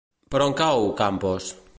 Per on cau Campos?